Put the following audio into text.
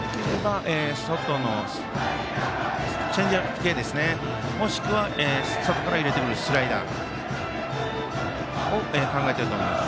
外のチェンジアップ系かもしくは外から入れてくるスライダーを考えてると思います。